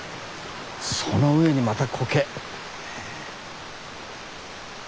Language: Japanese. その上にまたコケ。